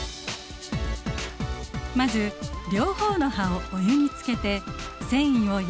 まず両方の葉をお湯につけて繊維を軟らかくします。